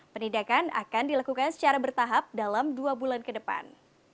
penindakan akan dilakukan secara bertahap dalam dua bulan ke depan